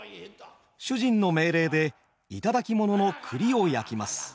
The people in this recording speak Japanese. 主人の命令で頂き物の栗を焼きます。